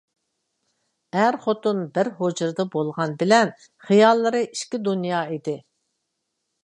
ئەر-خوتۇن بىر ھۇجرىدا بولغان بىلەن خىياللىرى ئىككى دۇنيا ئىدى.